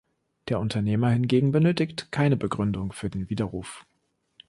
Der Unternehmer hingegen benötigt keine Begründung für den Widerruf.